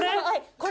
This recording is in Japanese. これ。